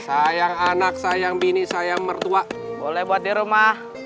sayang anak sayang dini sayang mertua boleh buat di rumah